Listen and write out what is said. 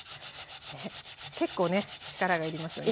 結構ね力が要りますよね。